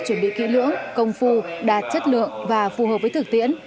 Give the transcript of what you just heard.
chuẩn bị kỹ lưỡng công phu đạt chất lượng và phù hợp với thực tiễn